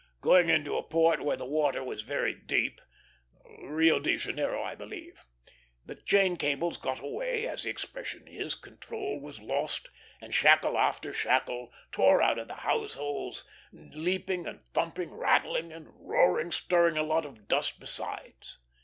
Going into a port where the water was very deep Rio de Janeiro, I believe the chain cables "got away," as the expression is; control was lost, and shackle after shackle tore out of the hawse holes, leaping and thumping, rattling and roaring, stirring a lot of dust besides.